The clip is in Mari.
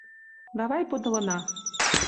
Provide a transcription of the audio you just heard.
— Давай подылына.